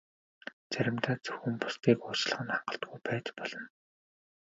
Заримдаа зөвхөн бусдыг уучлах нь хангалтгүй байж болно.